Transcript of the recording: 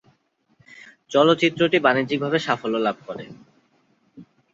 চলচ্চিত্রটি বাণিজ্যিকভাবে সাফল্য লাভ করে।